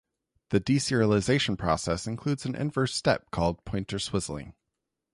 The deserialization process includes an inverse step called "pointer swizzling".